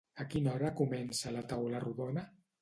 A quina hora comença la taula rodona?